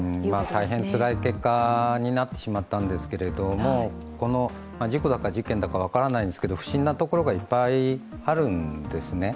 大変つらい結果になってしまったんですけど、事故だか事件だか分からないんですけど、不審なところがいっぱいあるんですね。